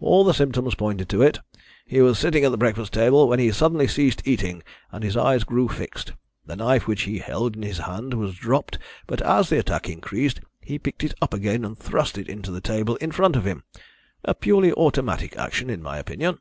All the symptoms pointed to it. He was sitting at the breakfast table when he suddenly ceased eating, and his eyes grew fixed. The knife which he held in his hand was dropped, but as the attack increased he picked it up again and thrust it into the table in front of him a purely automatic action, in my opinion.